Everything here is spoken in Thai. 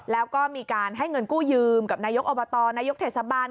แล้วก็มีการให้เงินกู้ยืมกับนายกอบตนายกเทศบาล